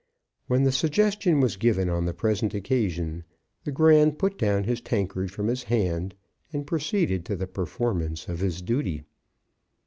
When the suggestion was given on the present occasion the Grand put down his tankard from his hand and proceeded to the performance of his duty.